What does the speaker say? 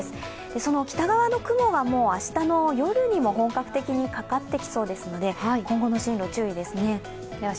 その北側の雲は明日の夜にも本格的にかかってきそうですので今後の進路、注意ですね。